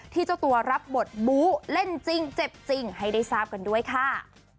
เจ้าตัวรับบทบู๊เล่นจริงเจ็บจริงให้ได้ทราบกันด้วยค่ะ